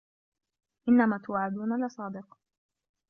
إِنَّما توعَدونَ لَصادِقٌ